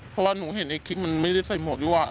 เพราะว่าหนูเห็นในคลิปมันไม่ได้ใส่หมวกยั่ว